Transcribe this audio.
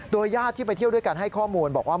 ญาติที่ไปเที่ยวด้วยกันให้ข้อมูลบอกว่า